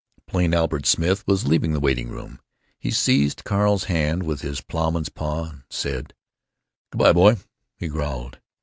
Plain Albert Smith was leaving the waiting room. He seized Carl's hand with his plowman's paw, and, "Good by, boy," he growled.